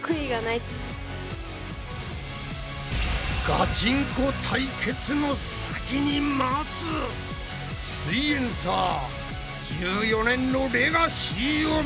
ガチンコ対決の先に待つ「すイエんサー」１４年のレガシーを見よ！